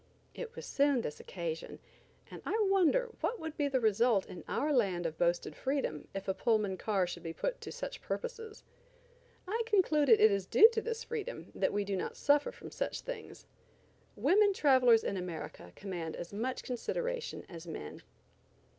It was soon this occasion, and I wonder what would be the result in our land of boasted freedom if a Pullman car should be put to such purposes. I concluded it is due to this freedom that we do not suffer from such things. Women travelers in America command as much consideration as men.